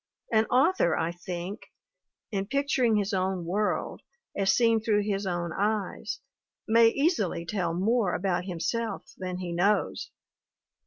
An author, I think, in picturing his own world, as seen through his own eyes, may easily tell more about him self than he knows.